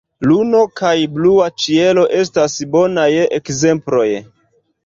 Luno kaj blua ĉielo estas bonaj ekzemploj.